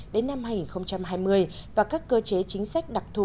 đến năm hai nghìn hai mươi và các cơ chế chính sách đặc thù